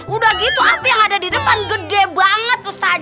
ustazah di depan gede banget